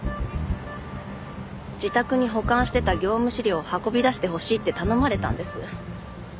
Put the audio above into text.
自宅に保管してた業務資料を運び出してほしいって頼まれたんです。